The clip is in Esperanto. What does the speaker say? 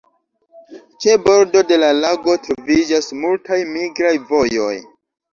Ĉe bordo de la lago troviĝas multaj migraj vojoj.